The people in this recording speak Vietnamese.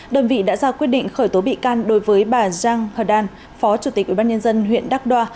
đơn vị đã ra quyết định khởi tố bị can đối với bà giang hờ đan phó chủ tịch ubnd huyện đắc đoa